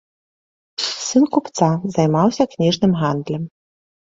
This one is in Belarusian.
Сын купца, займаўся кніжным гандлем.